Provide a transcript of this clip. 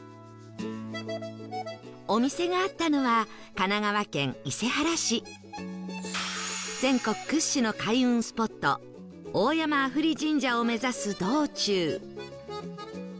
お店があったのは全国屈指の開運スポット大山阿夫利神社を目指す道中